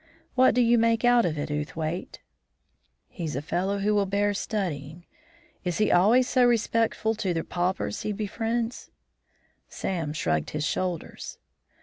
What do you make out of it, Outhwaite?" "He's a fellow who will bear studying. Is he always so respectful to the paupers he befriends?" Sam shrugged his shoulders.